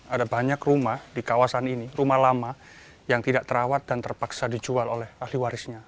ada banyak rumah di kawasan ini rumah lama yang tidak terawat dan terpaksa dijual oleh ahli warisnya